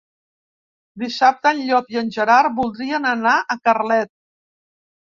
Dissabte en Llop i en Gerard voldrien anar a Carlet.